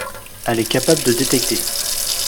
Elle est capable de détecter.